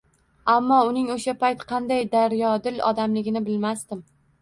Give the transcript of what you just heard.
Ammo uning o’sha payt qanday daryodil odamligini bilmasdim.